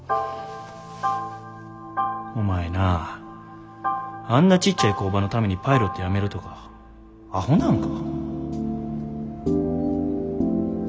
お前なぁあんなちっちゃい工場のためにパイロットやめるとかアホなんか？